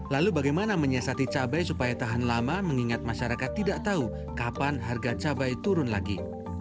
lalu bagaimana menyiasati cabai supaya tahan lama mengingat masyarakat tidak tahu kapan harga cabai turun lagi